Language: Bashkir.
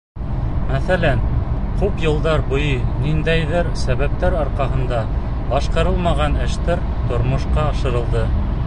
Мәҫәлән, күп йылдар буйы ниндәйҙер сәбәптәр арҡаһында башҡарылмаған эштәр тормошҡа ашырылды.